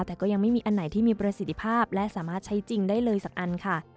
แต่ก็ยังไม่มีอันไหนที่มีประสิทธิภาพและสามารถใช้จริงได้เลยสักอันค่ะ